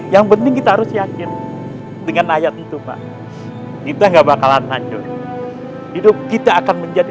yang penting kita harus yakin dengan ayat itu pak kita enggak bakalan hancur hidup kita akan menjadi